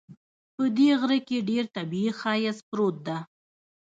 په دې غره کې ډېر طبیعي ښایست پروت ده